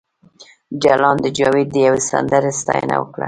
جلان د جاوید د یوې سندرې ستاینه وکړه